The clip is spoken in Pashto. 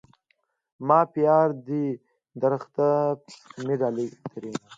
ما پيار دي درخته مي ډالی؛ ترينو